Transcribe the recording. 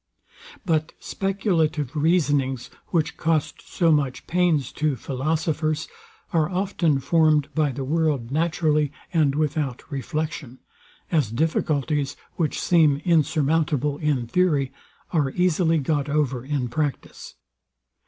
But speculative reasonings, which cost so much pains to philosophers, are often formed by the world naturally, and without reflection: As difficulties, which seem unsurmountable in theory, are easily got over in practice.